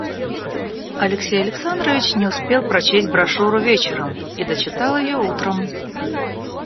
Алексей Александрович не успел прочесть брошюру вечером и дочитал ее утром.